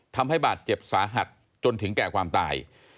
ทำให้บาดเจ็บสาหัสจนถึงแก่ความตาย